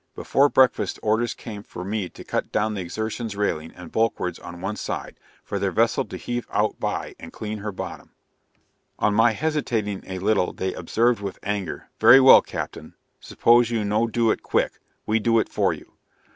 Before breakfast orders came for me to cut down the Exertion's railing and bulwarks on one side, for their vessel to heave out by, and clean her bottom. On my hesitating a little they observed with anger, "very well, captain, suppose you no do it quick, we do it for you."